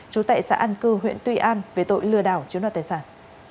trú tại xã an cư huyện tuy an về tội lừa đảo chiếm đoạt tài sản